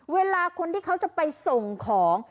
เวลาคนที่เขาจะไปส่งของ